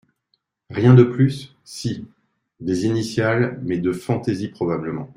Rien de plus ? Si ; des initiales, mais de fantaisie, probablement.